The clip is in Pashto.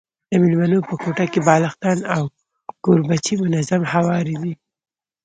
د مېلمنو په کوټه کي بالښتان او کوربچې منظم هواري دي.